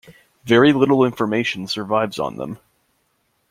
Very little information survives on them.